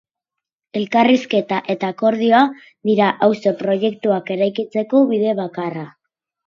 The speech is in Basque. Elkarrizketa eta akordioa dira auzo proiektuak eraikitzeko bide bakarra.